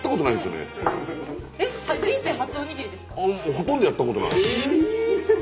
ほとんどやったことない。